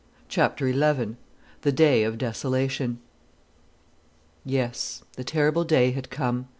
CHAPTER XI. THE DAY OF DESOLATION. Yes; the terrible day had come.